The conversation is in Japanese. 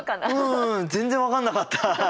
うん全然分かんなかった。